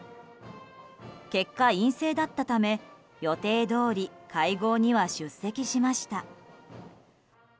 結果、陰性だったため予定通り会合には出席しました。